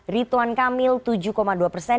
rituan kamil tujuh dua persen